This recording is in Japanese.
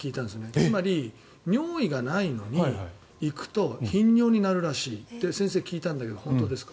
つまり、尿意がないのに行くと頻尿になるらしいって先生聞いたんだけど本当ですか？